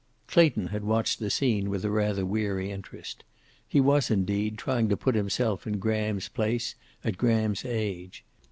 Clayton had watched the scene with a rather weary interest. He was, indeed, trying to put himself in Graham's place, at Graham's age.